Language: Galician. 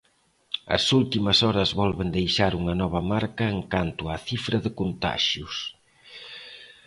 As últimas horas volven deixar unha nova marca en canto á cifra de contaxios.